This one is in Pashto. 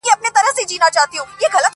دا دنیا له هر بنده څخه پاتیږي.!